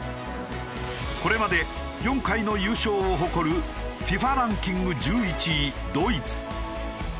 これまで４回の優勝を誇るＦＩＦＡランキング１１位ドイツ。